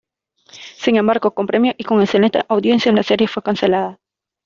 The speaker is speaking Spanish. Sin embargo, con premio y con excelentes audiencias, la serie fue cancelada.